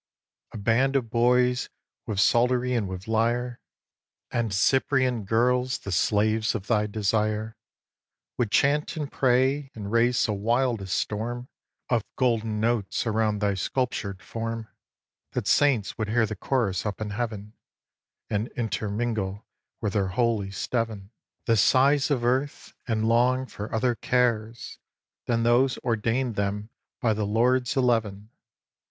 iv. A band of boys, with psaltery and with lyre, And Cyprian girls, the slaves of thy desire, Would chant and pray and raise so wild a storm Of golden notes around thy sculptured form That saints would hear the chorus up in Heaven, And intermingle with their holy steven The sighs of earth, and long for other cares Than those ordain'd them by the Lord's Eleven.